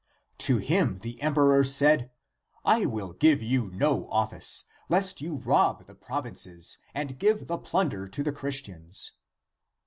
To him the em peror said, ' I will give you no office, lest you rob the provinces and give (the plunder) to the Chris tians.'